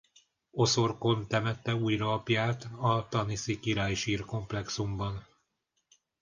Oszorkon temette újra apját a taniszi királysír-komplexumban.